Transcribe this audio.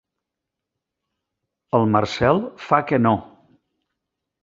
El Marcel fa que no.